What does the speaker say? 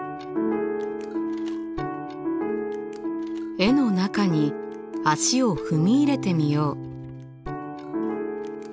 絵の中に足を踏み入れてみよう。